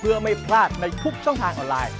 เพื่อไม่พลาดในทุกช่องทางออนไลน์